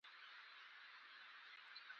د زیارت په څنګ کې کلا وکتل.